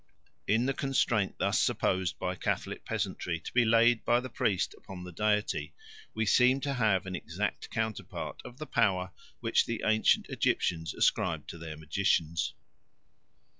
In the constraint thus supposed by Catholic peasantry to be laid by the priest upon the deity we seem to have an exact counterpart of the power which the ancient Egyptians ascribed to their magicians.